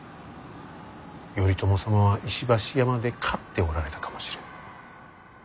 頼朝様は石橋山で勝っておられたかもしれぬ。